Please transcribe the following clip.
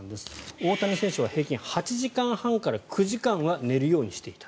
大谷選手は平均８時間半から９時間は寝るようにしていた。